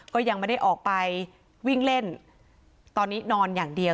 ก็ยังไม่ได้ออกไปวิ่งเล่นตอนนี้นอนอย่างเดียว